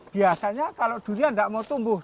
biasanya kalau durian tidak mau tumbuh